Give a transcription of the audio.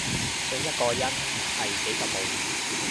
信一個人係幾咁冒險